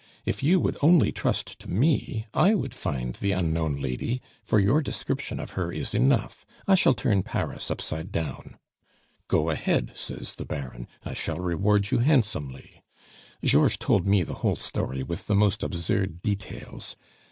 If you would only trust to me, I would find the unknown lady, for your description of her is enough. I shall turn Paris upside down.' 'Go ahead,' says the Baron; 'I shall reward you handsomely!' Georges told me the whole story with the most absurd details.